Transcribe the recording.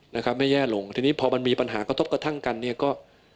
นะครับไม่แย่ลงทีนี้พอมันมีปัญหากระทบกระทั่งกันเนี่ยก็